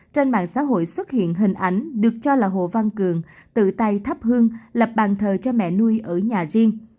trên mạng xã hội xuất hiện hình ảnh được cho là hồ văn cường tự tay thắp hương lập bàn thờ cho mẹ nuôi ở nhà riêng